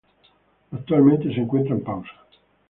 Actualmente se encuentra en pausa.